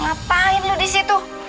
ngapain lu di situ